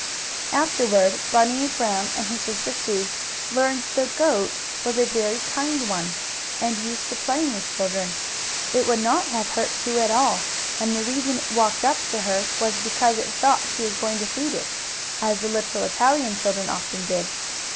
Afterward Bunny Brown and his sister Sue learned that the goat was a very kind one, and used to playing with children. It would not have hurt Sue at all, and the reason it walked up to her was because it thought she was going to feed it, as the little Italian children often did.